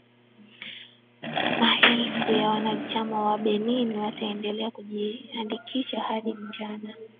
maelfu ya wananchi wa benin wataendelea kujiandikisha hadi mchana